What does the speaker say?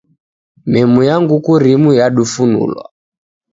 Memu ya nguku rimu yadufunulwa .